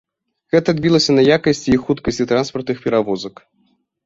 Гэта адбілася на якасці і хуткасці транспартных перавозак.